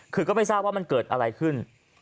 คือก็ไม่ทราบว่ามันเกิดอะไรขึ้น